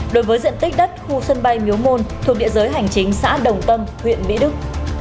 đối với diện tích đất khu sân bay miếu môn thuộc địa giới hành chính xã đồng tâm huyện mỹ đức